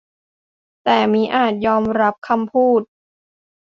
แต่มิอาจยอมรับคำพูด